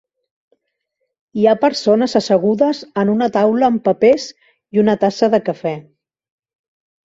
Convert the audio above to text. Hi ha persones assegudes en una taula amb papers i una tassa de cafè.